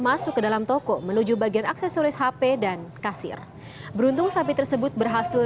masuk ke dalam toko menuju bagian aksesoris hp dan kasir beruntung sapi tersebut berhasil